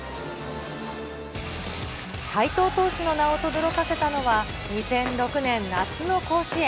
斎藤投手の名をとどろかせたのは、２００６年夏の甲子園。